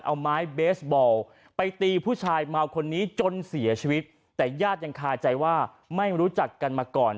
เอาไม้เบสบอลไปตีผู้ชายเมาคนนี้จนเสียชีวิตแต่ญาติยังคาใจว่าไม่รู้จักกันมาก่อน